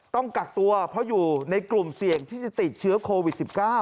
ต้องกักตัวเพราะอยู่ในกลุ่มเสี่ยงที่จะติดเชื้อโควิด๑๙